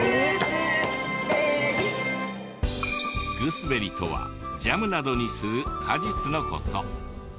グスベリとはジャムなどにする果実の事。